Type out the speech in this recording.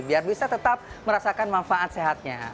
biar bisa tetap merasakan manfaat sehatnya